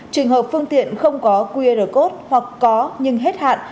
trường hợp phương tiện không có qr code hoặc có nhưng hết hạn